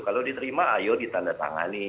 kalau diterima ayo ditandatangani